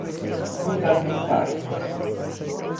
mandamentais